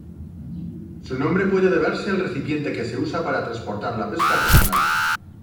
Su nombre puede deberse al recipiente que se usa para transportar la pesca artesanal.